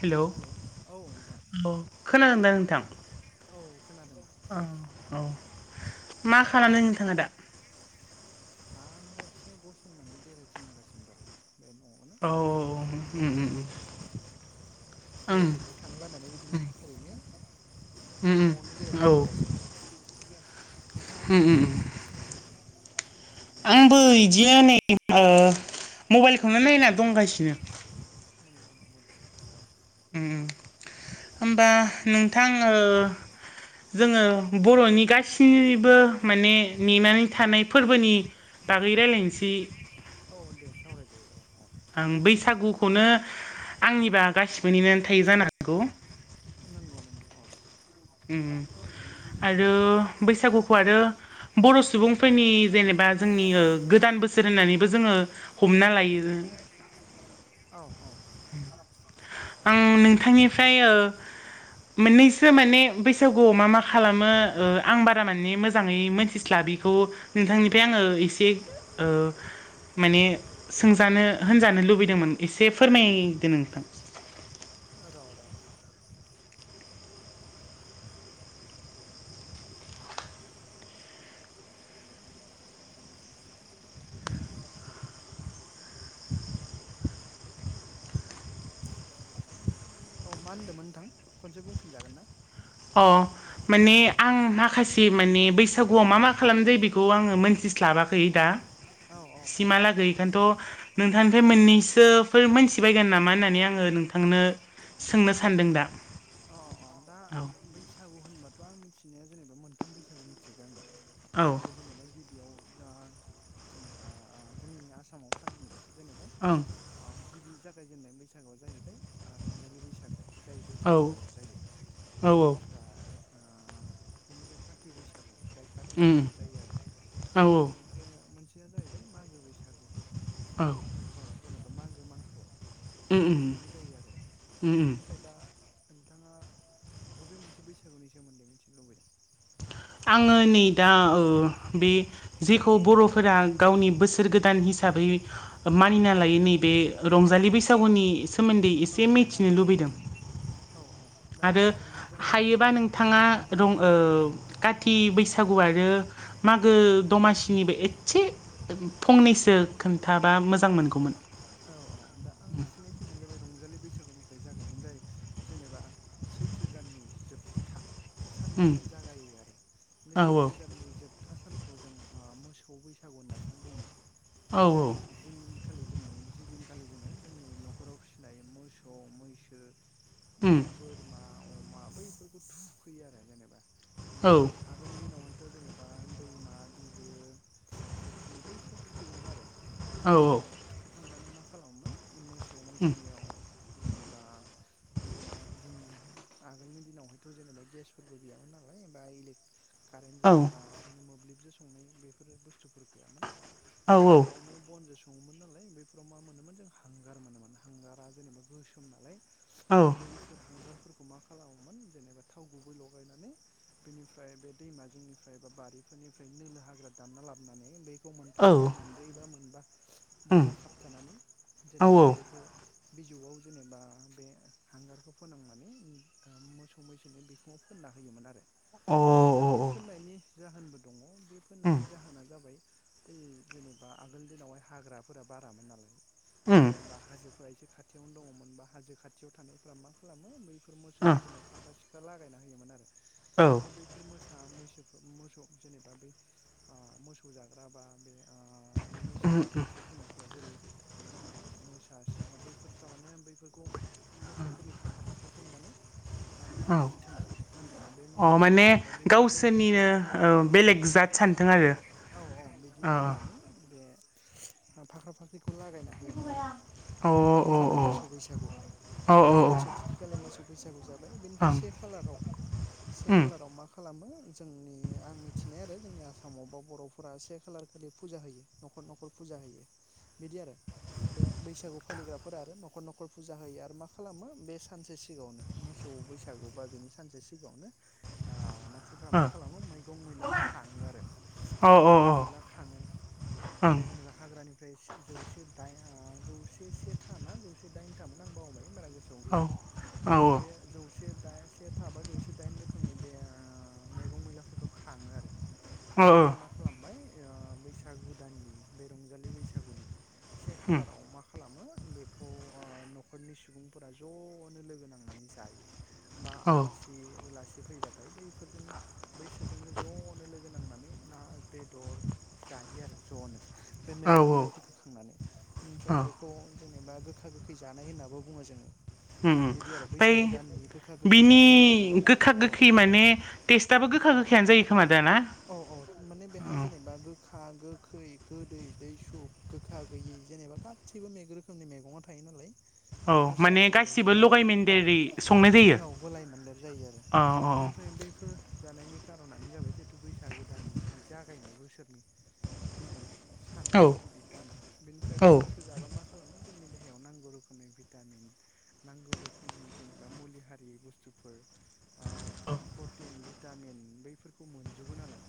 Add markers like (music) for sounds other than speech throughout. Hello औ नोंथां औ खोनादोंदा नोंथां? औ खोनादों ओं औ औ मा नोंथाङा खालामदों खोनादों ना नोंथाङा दा? (inaudible) औ औ बे औ ओम गरम ओम ओम नालाय जायगा थाइसेयाव थानो बानानै बिदिनो ओरैनो ओम न'आवनो औ बेरायलायथिंगासिनो नोंथाङा मा उम उम खालामगासिनो? आंबो इदिनो नै मबाइलखौनो नायना दंगासिनो नंगौ नंगौ दे दे औ ओम होमबा नोंथां ओ जोङो बर'नि गासिबो माने नेनानै थानाय फोरबोनि बागै रायलायनिसै औ दे सावरायजायो औ ओं बैसागुखौनो आंनिबा गासिबोनि थायो जानो हागौ नंगौ नंगौ औ ओम उम आरो बैसागुखौ आरो बर' सुबुंफोरनि जेनेब बा जोंनि गोदान बोसोर होननानैबो जोङो हमना लायो औ औ आं नोंथांनिफ्राय ओ मोननैसो माने बैसागुआव मा मा खालामो ओ आं बारा माने मोजाङै मोनथिस्ला बिखौ नोंथांनिफ्राय आङो इसे ओ माने सोंजानो होनजानो लुबैदोमोन इसे फोरमायदो नोंथां र' र' औ मा होनदोमोन नोंथां खनसे बुंफिनजागोन ना? अ माने आं माखासे माने बैसागुवाव मा मा खालामनाय जायो बेखौ आङो मोनथिस्लाबाखै दा औ औ औ सिमाला गैयिखानथ' नोंथांनिफ्राय मोननैसोफोर मोनथिबायगोन नामा होननानै आङो नोंथांनो सोंनो सानदों दा अ अ अ दा औ बैसागु होनबाथ' आं मिथिनाया जेनेबा मोनथाम बैसागु मिथिगोन आङो औ बे जेनेबा गिबियाव जा जेनेबा जोंनि आसामाव फालिनाय जेनेबा ओं गिबि जागायजेननाय बैसागुआ जाहैबाय रंजालि बैसागु जायो औ बैसागु दानाव जायो औ बेनिफ्राय ओ बेनिफ्राय काथि बैसागु जाय काति उम मांखौ जायो आरो औ बेनिफ्राय आरो मोनसेया जाहैबाय मागो बैसागु औ बेखौ जेनेबा मागो मांखौ उम उम खुंनाय जायो आरो उम उम ओमफ्राय दा नोंथाङा बबे मोनसे बैसागुनि सोमोन्दै मिथिनो लुबैदों आङो नै दा बे जेखौ बर'फोरा गावनि बोसोर गोदान हिसाबै हिसाबै मानिना लायो नैबे रंजालि बैसागुनि सोमोन्दै औ एसे औ मिथिनो लुबैदों औ औ दा आरो रंजालि औ हायोबा नोंथाङा रं काति बैसागु आरो मागो दमासिनिबो एसे फंनैसो खोन्थाबा मोजां मोनगौमोन औ औ दा आं मिथिनायखिनियानो जाबाय रंजालि बैसागुनिफ्राय जागायनानै जाय जेनेबा सैथो दाननि जोबथा उम साननिफ्राय जागायो आरो बे औ सैथो दाननि जोबथा सानखौ जों मोसौ बैसागु होननासो बुङो औ जाय औ जोंनि जिदिनखालि जोङो जोंनि न'खराव फिसिनाय मोसौ मैसो बे उम बोरमा अमा बैफोरखौ थुखैयो आरो जेनेबा बे औ आगोल दिनावहाय बे जेनेबा दैमा बिलो फुख्रि बैफोराव थुखैयोमोन आरो औ ओमफ्राय थुखैखांनानै मा खालामोमोन मोसौ उम मैसोनियाव जेनेबा बा बे जों आगोलनि दिनावहायथ' जेनेबा गेसफोरबो गैयामोन नालाय बा इले औ कारेन्टजों बा बिदिनो मोब्लिबजों संनाय बेफोर बुस्थु गैयामोन बे औ अरावनो बनजों सं बेफ्राव मा मोनोमोन जों हांगार मोनोमोन हांगारा जेनेबा गोसोम नालाय औ बैफोर हांगारफोर फोरखौ मा खालामोमोन जेनेबा थाव गुबै लगायनानै बेनिफ्राय बे दैमा जोंनिफ्राय ए बा बारि फोरनिफ्राय नोलो हाग्रा दानना लाबोनानै बेखौ मोनथाम बा औ मोनब्रै बा मोनबा बजा उम खाबथानानै औ जेनेबा बेखौ बिजौआव जेनेबा बे हांगारखौ फोनांनानै मोसौ मैसोनि बिखौङाव फोन फोनना होयोमोन आरो अ दा बै फोननायनि जाहोनबो दङ बे फोननायनि उम जाहोना जाबाय जेनेबा आगोलनि दिनावहाय हाग्राफोरा बारामोन नालाय उम बे बा हाजोफोरा एसे खाथियावनो दङमोन बा हाजो खाथियाव थानायफोरा मा खालामो बैफोर फोर मोसौ मैसौनाव फाख्रा सिखरा लागायना होयोमोन आरो ओ जाहाथे बैफोर मोसा मै मोसौ जेनेबा बै मोसौ जाग्रा बा बे मैसो जाग्रा जिब जुनारफोरा जेरै मोस दासिमाव बैफोर थारमाने बैफोरखौ मोसौफोरनि फाख्रा फाख्रिखौ नुनानै औ गिथों होननानै बे अ माने जेनेबा बैफोर जुनारफोरखौ औ औ औ बिराद सानथों आरो औ औ अ बिदिसो होननानै बे फाख्रा फाख्रिखौ लागायना होयोमोन आरो अ बे अ जाबाय मोसौ बैसागु अ मोसौ थुखै खालि मोसौ बैसागु जाबाय अ बेनिफ्राय ओं से खालाराव से उम खालाराव मा खालामो जोंनि आं मिथिनाय आरो जोंनि आसामाव बा बर'फोरा से खालार खालि फुजा होयो न'खर न'खर फुजा होयो बिदि आरो बे बैसागु फालिग्राफोर आरो न'खर न'खर फुजा होयो आरो मा खालामो बे सानसे सिगाङावनो मोसौ बैसागु बा बिनि सानसे सिगाङावनो मानसिफ्रा मा खालामो मैगं मैला खाङो आरो मैगं मैला खाङो बे जेनेबा हाग्रानि ओमफ्राय जौसे दाइन जौसे से था ना जौसे दाइनथामोन आं बावबाय बारा गोसो सोआव गैया बे जौसे दाइन से था बा जौसे दाइन रोखोमनि बे मैगं मैलाफोरखौ खाङो आरो खांनानै मा खालामबाय बैसागु दाननि बे रंजालि बैसागुनि से खालाराव मा खालामो बेखौ न'खरनि सुबुंफोरा ज'नो लोगो नांनानै जायो बा आलासि उलासि फैबाथाय बैफोरजोंनो बैसोरजोंनो ज'नो लोगो नानै ना बेदर जायो आरो जनो बे मैगं मैला गोखोखांनानै ओमफ्राय बेखौ जेनेबा गोखा गोखै जानाय होनाबो बुङो जोङो बिदि आरो ओमफ्राय बैसागु दाननि गोखा गोखै बिनि जानाय होनना बुङो आरो गोखा औ गोखै माने टेस्टाबो गोखा औ गोखैयानो जायो खोमा दा ना औ औ माने औ बेहाय जेनेबा गोखा गोखै गोदै दैसु सु गोखा गैयि जेनेबा गासैबो मेग रोखोमनि मैगङा थायो नालाय औ बेखौ माने जायो आरो गासिबो जाय औ लगायमोन्देरि संनाय जायो औ औ बेनिफ्राय बैफोर जानायनि खारनानो जाबाय जिहेथु बैसागोदाननि गिबि जागायनाय बोसोरनि गिबि सान औ बा गिबि दान बेनिफ्राय औ बैफोरखौ जाबा म खालामो जोंनि देहायाव नांगौ रोखोमनि भिटामिन नांगौ रोखोमनि जेनेबा मुलि हारि बुस बुस्थुफोर प्रटिन भिटामिन बैफोरखौ मोनजोबो नालाय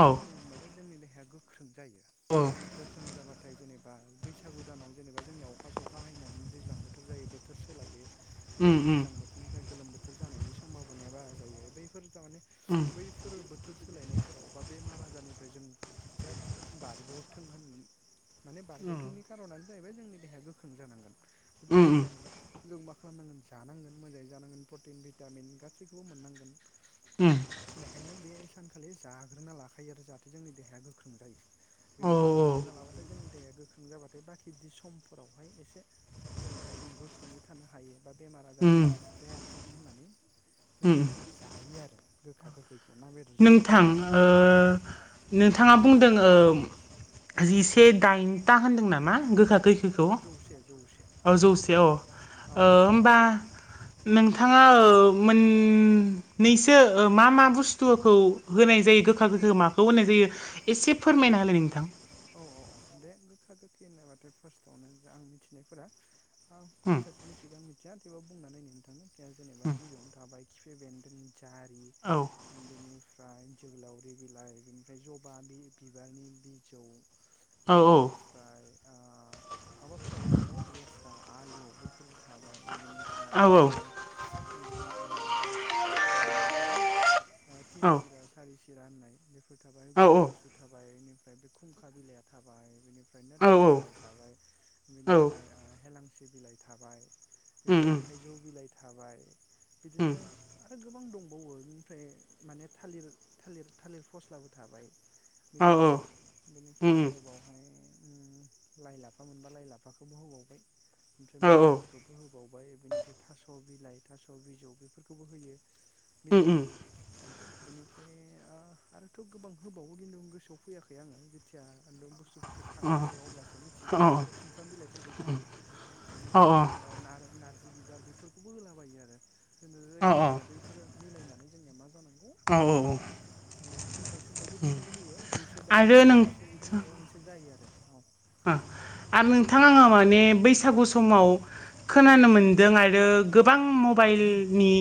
औ मोनबाथाय जोंनि देहाया गोख्रों जायो अ गोख्रों जाबाथाय जेनेबा बैसागु दानाव जेनेबा जोंनिया अखा सखा हैनानै दैज्लां बोथोर जायो बोथोर सोलायो उम गरम उम गोजां बोथोर फ्राय गोलोम बोथोर जानायनि समभाबनाया बारा जायो बैफोर थारमाने उम बैफोर बोथोर सोलायनायफोराव बेमार आजारनिफ्राय जों जाथे बारग'थों होन माने बारग'थोंनि खार'नानो जाहैबाय जोंनि देहाया गोख्रों जानांगोन उम उम गोख्रों जानोबा जों मा खालाम जानांगोन मोजाङै जानांगोन प्रटिन भिटामिन गासैखौबो मोननांगोन उम बेखायनो बे सानखालि जाग्रोना लाखायो आरो जाहाथे जोंनि देहाया गोख्रों जायो औ बेनिफ्राय औ जाग्रोना लाबाथाय जोंनि देहाया गोख्रों जाबाथाय बाखि समफोरावहाय एसे जेनेबा जों गोख्रोङै थानो हायो बा बेमार उम आजार जायाथों होननानै उम बेफोरखौ जायो आरो गोखा गोखै नोंथां ओ नोंथाङा बुंदों जिसे दाइनथा होनदों नामा गोखा ओ गोखैखौ जौसे जौसे औ जौसे औ औ औ होमबा नोंथाङा मोननैसो मा मा बुस थुखौ होनाय जायो गोखा गोखै माखौ होनाय जायो एसे फोरमायना हालाय नोंथां औ औ औ दे गोखा गोखै होनोबाथाय फार्स्टआवनो आं मिथिनायफोरा आं उम खैतासो मिथिगो आं आ थेवबाबो बुंनानै नायनि नोंथां जेनेबा गिबियावनो थाबाय खिफि बेन्दों जारि औ बेनि ओमफ्राय जोहोलावरि बिलाइ बिनिफ्राय जबा बिबारनि बिजौ औ बेनिफ्राय माबाफोराबो थाबाय लेस्रा आलु बैफोरबो थाबाय बेनिफ्राय फ्राय औ आरो बे जोंनिया मा थाबाय तिन औ सिरा सारि सिरा होननाय बेफोर थाबाय औ गन गुसु थाबाय ओमफ्राय बे खुंखा बिलाइया थाबाय बेनिफ्राय औ नोरसिं बिलाइ थाबाय औ बेनिफ्राय हेलांसि बिलाइ थाबाय उम बेनिफ्राय उम थाइजौ बिलाइ थाबाय उम बिदिनो आरो गोबां दंबावो बेनिफ्राय माने थालिर थालिर थालिर फस्लाबो था (unintelligible) मिडिया द अ बेनिफ्राय आरोबावहाय ओम लाइ लाफा मोनबा लाइ लाफाखौबो होबावबाय ओमफ्राय औ औ मुलाफोरखौबो होबावबाय बिनिफ्राय थास' बिलाइ थास' बिजौ बेफोरखौबो होयो बिदि उम आरो उम औ बेनिफ्राय आ आरोथ' गोबां होबावो खिन्थु आं गोसोआव फैयाखै आङो जेथिया बुस्थुफोरखौ अ खांनाय जायो अब्लासो मिथिया अ आरो (unintelligible) सुमफ्राम बिलाइफोरखौबो होयो अ बेनिफ्राय अ बै ओ नार जि बिबार बेफोरखौबो होलाबायो आरो जोंनो अ जायखिजाया बैफोरो मिलायनानै जोंनिया मा जानांगौ औ अ औ खुन्थाइ सुन्थाइ बेफोरखौबो होयो जौसे दाइन बा आरो जौसेसे नों बिदिनो माबा मोनसे जायो आरो औ ओ आरो नोंथां आङो माने बैसागु समाव औ खोनानो मोन्दों आरो गोबां मबाइलनि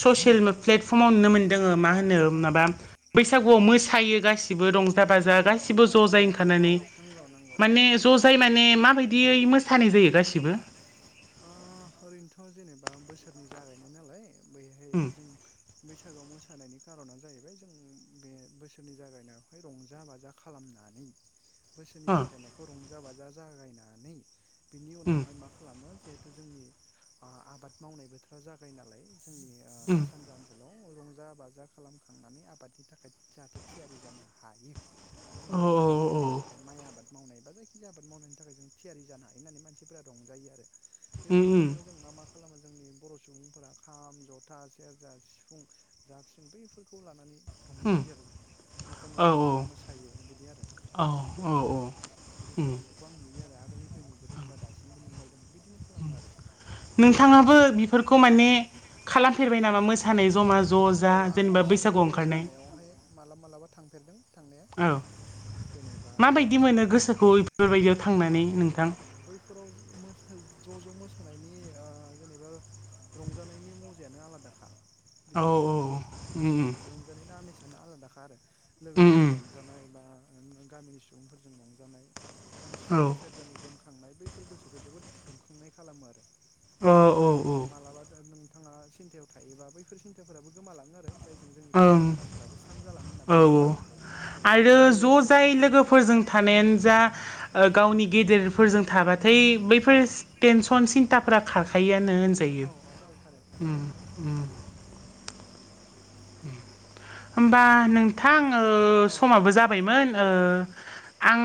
ससियेल प्लेटफर्माव नुनो मोन्दों ओ मा होनो औ माबा औ बैसागुआव मोसायो गास गासिबो रंजा बाजा मोसायो औ गासिबो औ ज औ जाइ ओंखारनानै औ नंगौ नंगौ औ माने ज जाय माने माबायदियै मोसानाय जायो गासिबो ओ ओरैनोथ' जेनेबा बोसोरनि जागायनाय नालाय बैहाय उम जों बैसागोआव मोसानायनि खार'ना जाहैबाय जों बे बोसोरनि जागायनायावहाय रंजा बाजा खालामना (unintelligible) बोसोरनि अ जागायनायखौ रंजा बाजा जागायनानै बिनि उम उनावहाय मा खालामो जिहेथु जोंनि ओ आबाद मावनाय बोथोरा जागायो नालाय जोंनि ओ सा सानजा ओनसोलाव रंजा बाजा खालामखांनानै आबादनि थाखाय जाहाथे थियारि जानो हायो उम औ जोंनि आबाद औ औ मावनायनि थाखाय माइ आबाद मावनाय बा जायखिनि आबाद मावनायनि थाखाय जों थियारि जानो हायो होननानै मानसिफोरा रंजायो आरो बे उम उम रंजानायाव जों मा खालामो जोंनि (unintelligible) बर' सुबुंफोरा खाम जथा सेरजा सिफुं जााबस्रिं बैफोरखौ लानानै उम रंजायो आरो न'खर औ न'खर हाबना मोसायो बिदि आरो जोंनि औ औ बर'फ्रा औ बिदि उम खालामनायखौ आं नुयो आरो आगोलनिफ्राय नुबोदों बा दासिमबो नुबाय दं बिदिनो खालामो ओम आरो नोंथाङाबो ओमफ्राय बेफोरखौ औ माने खालामफेरबाय नामा मोसानाय जमा ज औ जा आंबो जेनेबा बैसागुआव ओंखारनाय मोसानायावहाय मालाबा मालाबा थांफेरदों थांनाया औ जेनेबा माबायदि मोनो ओ गोसोखौ बेफोरबायदियाव थांनानै बाब्रेबा नोंथां बैफोराव मोस ज' ज' मोसानायनि ओ जेनेबा रंजानायनि मजायानो आलादाखा औ औ ओम उम ओम रंजानायनि आमेसआनो आलादाखा आरो उम लोगोफोरजों उम रंजानाय बा ओ गामिनि सुबुंफोरजों रंजानाय खाम औ सिफुं सेरजानि गोम खांनाय बैफोर गोसोखौ जोबोद दुंखांनाय खालामो आरो औ बेनिफ्राय औ जेनेबा मालाबा नों बिथाङा सिन्थायाव थायोबा बैफोर सिन्थाफोराबो गोमालाङो आरो जायजों जोंनि खायसे ओं बेमारफोराबो स्रां जालाङो होनना औ बुङो आरो बेखायनो आरो रंजायो ज' औ जाय लोगोफोरजों थानायानो जा ओ औ गावनि गेदेरफोरजों थाबा (unintelligible) बैफोर टेनसन सिन्थाफोरा खारखायो आरो नो औ होनजायो औ औ खारो खारो उम उम होमबा नोंथां ओ औ समाबो जाबायमोन ओ (unintelligible) आं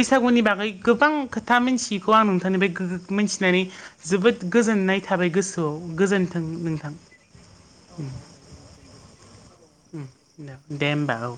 बैसागुनि बागै गोबां खोथा मिथियैखौ आं नोंथांनिफ्राय मिथिनानै जोबोद जोबोद गोजोननाय थाबाय गोसोआव गोजोन्थों नोंथां औ दे गोजोनथों गोजोनथों उम द दे होमबा औ